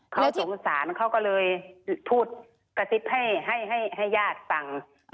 เขาสงสารเขาก็เลยพูดกระซิบให้ญาติฟัง